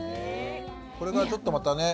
これがちょっとまたね